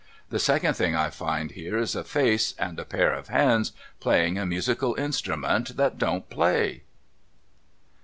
The second thing I find here is a face, and a pair of hands playing a musical instrument that don't play